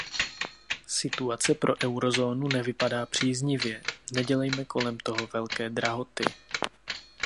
Situace pro eurozónu nevypadá příznivě, nedělejme kolem toho velké drahoty.